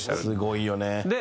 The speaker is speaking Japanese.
すごいよね。